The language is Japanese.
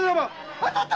当たった！